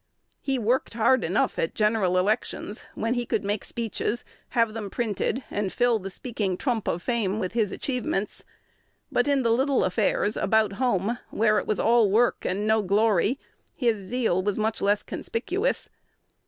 He worked hard enough at general elections, when he could make speeches, have them printed, and "fill the speaking trump of fame" with his achievements; but in the little affairs about home, where it was all work and no glory, his zeal was much less conspicuous.